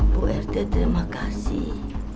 bu rt terima kasih